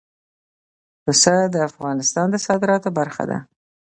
پسه د افغانستان د صادراتو برخه ده.